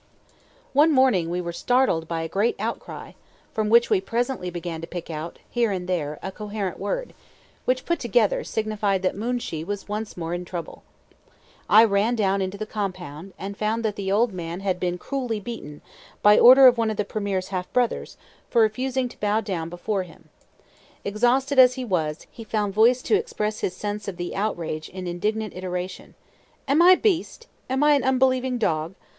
One morning we were startled by a great outcry, from which we presently began to pick out, here and there, a coherent word, which, put together, signified that Moonshee was once more in trouble. I ran down into the compound, and found that the old man had been cruelly beaten, by order of one of the premier's half brothers, for refusing to bow down before him. Exhausted as he was, he found voice to express his sense of the outrage in indignant iteration. "Am I a beast? Am I an unbelieving dog?